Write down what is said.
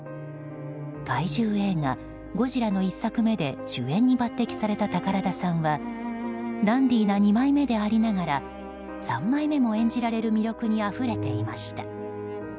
怪獣映画「ゴジラ」の１作目で主演に抜擢された宝田さんはダンディーな２枚目でありながら３枚目も演じられる魅力にあふれていました。